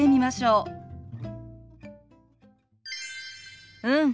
うん。